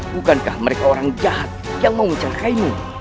bukankah mereka orang jahat yang mau mencangkaimu